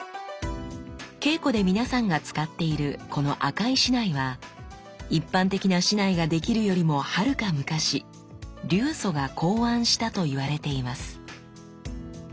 稽古で皆さんが使っているこの赤い竹刀は一般的な竹刀が出来るよりもはるか昔流祖が考案したと言われています。